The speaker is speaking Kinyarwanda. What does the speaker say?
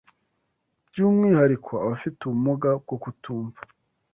by’umwihariko abafite ubumuga bwo kutumva